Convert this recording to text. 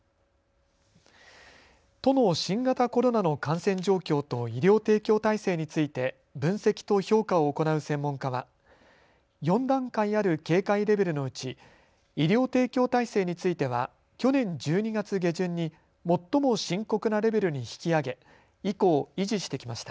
都の新型コロナの感染状況と医療提供体制について分析と評価を行う専門家は４段階ある警戒レベルのうち医療提供体制については去年１２月下旬に最も深刻なレベルに引き上げ以降、維持してきました。